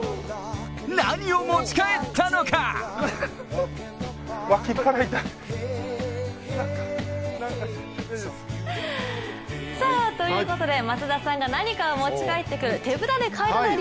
何を持ち帰ったのか？ということで松田さんが何かを持ち帰ってくる「手ぶらで帰らないＲＥＰＯＲＴ」。